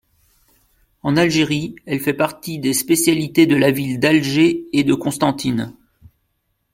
En Algérie, elle fait partie des spécialités de la ville d'Alger et de Constantine.